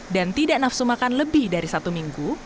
dan tidak nafsu makan lebih dari satu minggu